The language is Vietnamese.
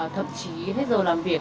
thậm chí hết giờ làm việc